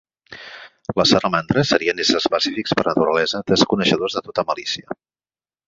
Les salamandres serien éssers pacífics per naturalesa, desconeixedors de tota malícia.